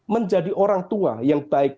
menjadi orang tua yang baik